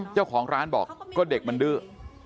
เจ้าของร้านบอกก็เด็กมันดื้อ